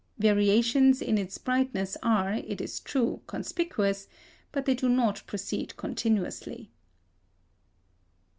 Variations in its brightness are, it is true, conspicuous, but they do not proceed continuously.